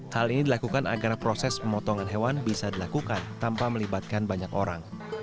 hal ini dilakukan agar proses pemotongan hewan bisa dilakukan tanpa melibatkan banyak orang